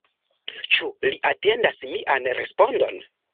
Ĉu li atendas mian respondon?